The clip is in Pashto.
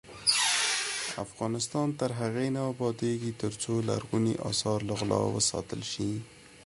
افغانستان تر هغو نه ابادیږي، ترڅو لرغوني اثار له غلا وساتل شي.